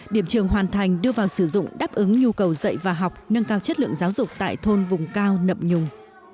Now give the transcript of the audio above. điểm trường hoàn thành đưa vào sử dụng đáp ứng nhu cầu dạy và học nâng cao chất lượng giáo dục tại thôn vùng cao nậm nhùng